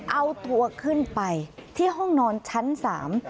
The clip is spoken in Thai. เอาตัวขึ้นไปที่ห้องนอนชั้นสาม